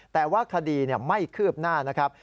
แต่ว่าคดีไม่คืบหน้านะครับ